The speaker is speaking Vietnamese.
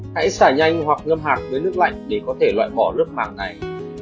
hãy xả nhanh hoặc ngâm hạt với nước nước